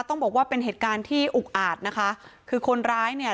ต้องบอกว่าเป็นเหตุการณ์ที่อุกอาจนะคะคือคนร้ายเนี่ย